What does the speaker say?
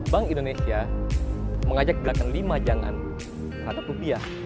bank indonesia mengajak gerakan lima jangan terhadap rupiah